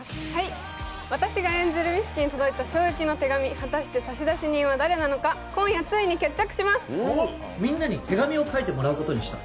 私が演じる美月に届いた衝撃の手紙、果たして差出人は誰なのか、今夜ついに決着します。